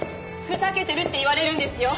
ふざけてるって言われるんですよ